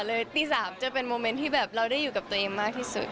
ตี๓จะเป็นโมเมนต์ที่แบบเราได้อยู่กับตัวเองมากที่สุด